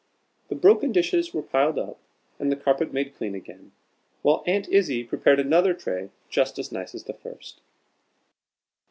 The broken dishes were piled up and the carpet made clean again, while Aunt Izzie prepared another tray just as nice as the first.